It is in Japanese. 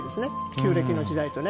旧暦の時代とね。